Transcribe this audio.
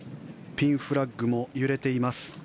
ピンフラッグも揺れています。